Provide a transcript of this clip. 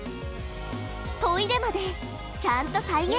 トイレまでちゃんと再現。